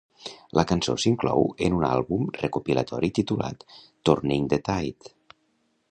La cançó s'inclou en un àlbum recopilatori titulat "Turning the Tide".